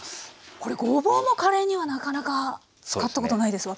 ごぼうもカレーにはなかなか使ったことないです。